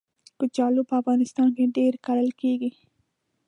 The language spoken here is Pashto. کچالو په افغانستان کې ډېر کرل کېږي